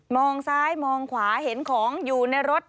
ซ้ายมองขวาเห็นของอยู่ในรถ